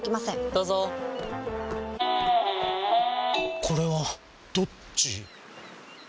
どうぞこれはどっち？